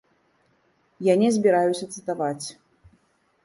Я не збіраюся цытаваць.